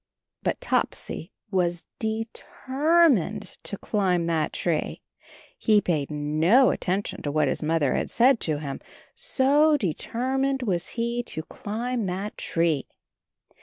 But Topsy was de ter mined to climb that tree. He paid no attention to what his Mother had said to him, so de ter mined was he to climb that tree.